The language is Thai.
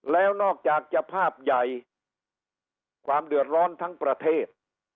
แล้วนอกจากจะภาพใหญ่ความเดือดร้อนทั้งประเทศ